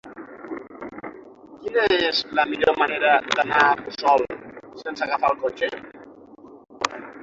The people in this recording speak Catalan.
Quina és la millor manera d'anar a Puçol sense agafar el cotxe?